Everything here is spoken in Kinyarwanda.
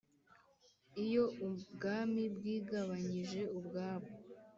Iyo ubwami bwigabanyije ubwabwo